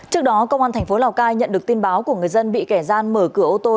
trước đó công an thành phố lào cai nhận được tin báo của người dân bị kẻ gian mở cửa ô tô